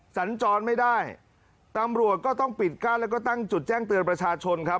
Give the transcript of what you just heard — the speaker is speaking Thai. สัญจรไม่ได้ตำรวจก็ต้องปิดกั้นแล้วก็ตั้งจุดแจ้งเตือนประชาชนครับ